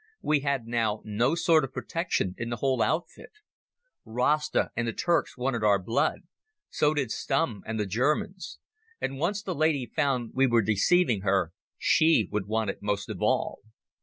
We had now no sort of protection in the whole outfit. Rasta and the Turks wanted our blood: so did Stumm and the Germans; and once the lady found we were deceiving her she would want it most of all.